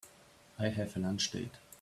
I have a lunch date.